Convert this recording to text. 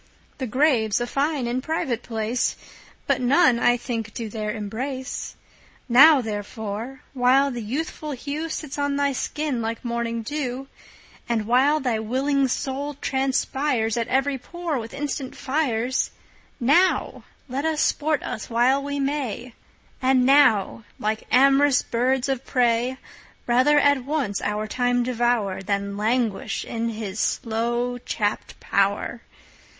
The Grave's a fine and private place, But none I think do there embrace. Now therefore, while the youthful hewSits on thy skin like morning [dew]And while thy willing Soul transpiresAt every pore with instant Fires, Now let us sport us while we may; And now, like am'rous birds of prey, Rather at once our Time devour, Than languish in his slow chapt pow'r.